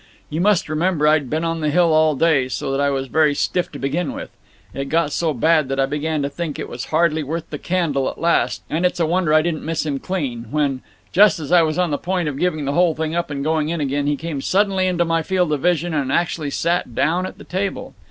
You must remember I'd been on the hill all day, so that I was very stiff to begin with. It got so bad that I began to think it was hardly worth the candle at last and it's a wonder I didn't miss him clean when, just as I was on the point of giving the whole thing up and going in again, he came suddenly into my field of vision, and actually sat down at the table.